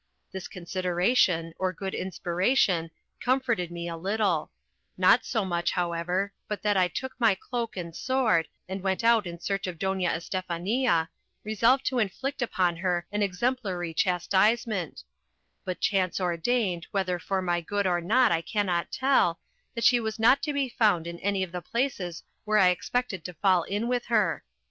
This consideration, or good inspiration, comforted me a little; not so much, however, but that I took my cloak and sword, and went out in search of Doña Estefania, resolved to inflict upon her an exemplary chastisement; but chance ordained, whether for my good or not I cannot tell, that she was not to be found in any of the places where I expected to fall in with her.